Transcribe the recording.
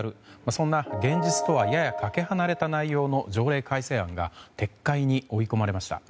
そんな現実とはややかけ離れた内容の条例改正案が撤回に追い込まれました。